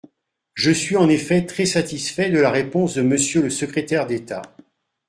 Je suis en effet très satisfait de la réponse de Monsieur le secrétaire d’État.